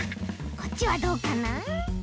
こっちはどうかな？